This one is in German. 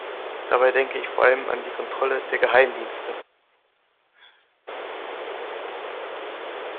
Dabei denke ich vor allem an die Kontrolle der Geheimdienste.